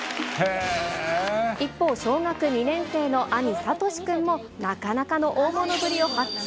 一方、小学２年生の兄、理史君もなかなかの大物ぶりを発揮。